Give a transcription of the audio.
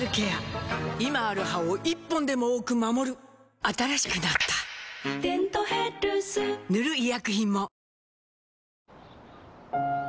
今ある歯を１本でも多く守る新しくなった「デントヘルス」塗る医薬品も